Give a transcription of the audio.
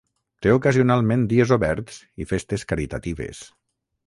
Té ocasionalment dies oberts i festes caritatives.